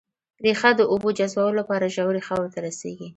ريښه د اوبو جذبولو لپاره ژورې خاورې ته رسېږي